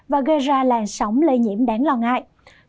và gây ra làn sóng lây nhiễm đáng lo ngại